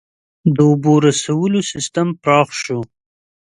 • د اوبو رسولو سیستم پراخ شو.